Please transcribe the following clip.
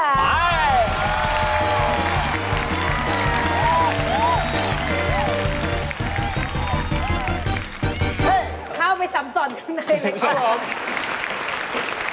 เฮ่ยเข้าไปสำสรรค์ข้างในเลยค่ะ